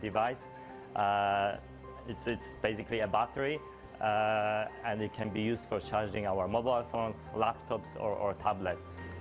ini adalah baterai dan bisa digunakan untuk mengembangkan ponsel mobil laptop atau tablet